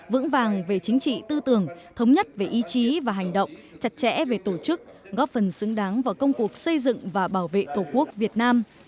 vững vàng về chính trị tư tưởng thống nhất về ý chí và hành động chặt chẽ về tổ chức góp phần xứng đáng vào công cuộc xây dựng và bảo vệ tổ quốc việt nam